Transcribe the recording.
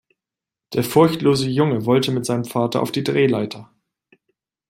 Der furchtlose Junge wollte mit seinem Vater auf die Drehleiter.